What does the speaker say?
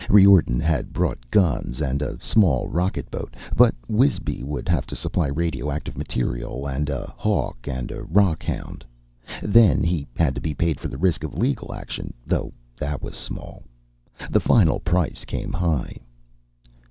Riordan had brought guns and a small rocketboat, but Wisby would have to supply radioactive material, a "hawk," and a rockhound. Then he had to be paid for the risk of legal action, though that was small. The final price came high.